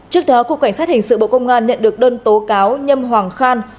trước đó cục cảnh sát hình sự bộ công an nhận được đơn tố cáo nhâm hoàng khan